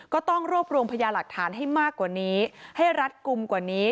ก็ต้องรวบรวมพยาหลักฐานให้มากกว่านี้ให้รัดกลุ่มกว่านี้